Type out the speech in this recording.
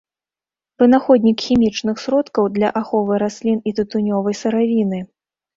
Вынаходнік хімічных сродкаў для аховы раслін і тытунёвай сыравіны.